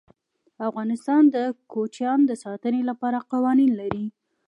افغانستان د کوچیان د ساتنې لپاره قوانین لري.